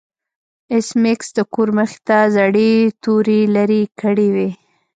ایس میکس د کور مخې ته زړې توري لرې کړې وې